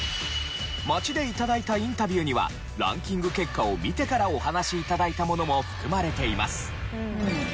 街で頂いたインタビューにはランキング結果を見てからお話し頂いたものも含まれています。